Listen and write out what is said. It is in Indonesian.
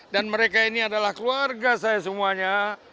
dan mereka ini adalah keluarga saya semuanya